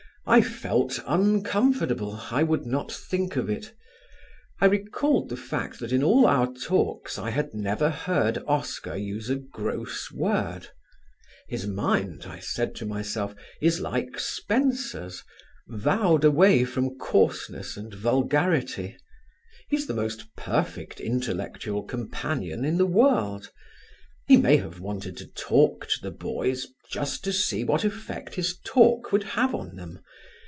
I felt uncomfortable. I would not think of it. I recalled the fact that in all our talks I had never heard Oscar use a gross word. His mind, I said to myself, is like Spenser's, vowed away from coarseness and vulgarity: he's the most perfect intellectual companion in the world. He may have wanted to talk to the boys just to see what effect his talk would have on them.